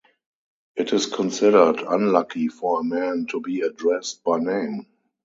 It is considered unlucky for a man to be addressed by name.